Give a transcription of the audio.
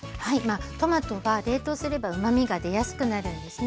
トマトは冷凍すればうまみが出やすくなるんですね。